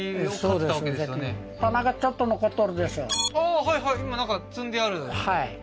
ああーはいはい今なんか積んであるはい